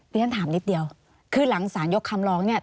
เรียนถามนิดเดียวคือหลังสารยกคำร้องเนี่ย